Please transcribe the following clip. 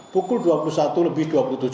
pukul dua puluh satu lebih dua puluh tujuh